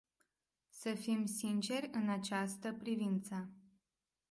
Să fim sinceri în această privință.